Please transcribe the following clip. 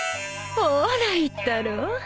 ほら言ったろ？